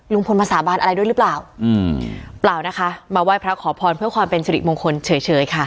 ลุงพลมาสาบานอะไรด้วยหรือเปล่าอืมเปล่านะคะมาไหว้พระขอพรเพื่อความเป็นสิริมงคลเฉยค่ะ